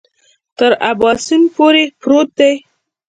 تر اباسین پورې پروت دی.